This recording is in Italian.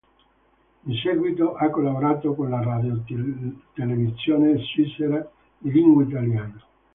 In seguito ha collaborato con la Radiotelevisione svizzera di lingua italiana.